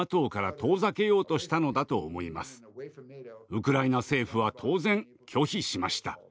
ウクライナ政府は当然拒否しました。